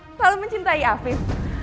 terlalu mencintai afiq